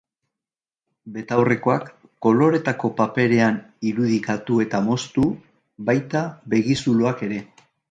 Betaurrekoak koloretako paperean irudikatu eta moztu, baita begizuloak ere.